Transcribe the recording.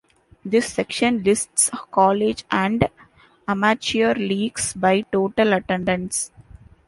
This section lists college and amateur leagues by total attendance.